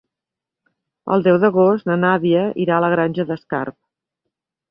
El deu d'agost na Nàdia irà a la Granja d'Escarp.